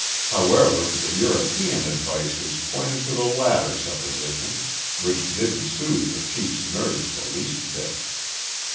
However, the European advices pointed to the latter supposition which didn't soothe the chief's nerves the least bit.